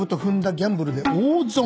ギャンブルで大損。